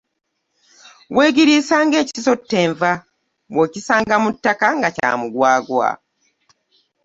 Weegiriisa ng’ekisotta enva, bw’okisanga mu ttaka nga kya mugwagwa.